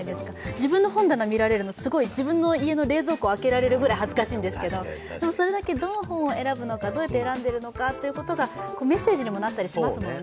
自分の本棚を見られるの、自分の家の冷蔵庫を開けられるぐらい恥ずかしいんですけどそれだけどの本を選ぶのか、どうやって選んでいるのか、メッセージにもなったりしますもんね。